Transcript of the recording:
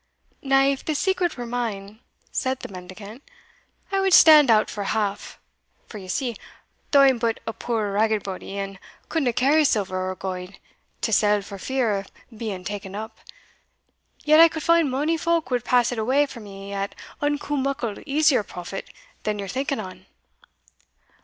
"Now if the secret were mine," said the mendicant, "I wad stand out for a half; for you see, though I am but a puir ragged body, and couldna carry silver or gowd to sell for fear o' being taen up, yet I could find mony folk would pass it awa for me at unco muckle easier profit than ye're thinking on."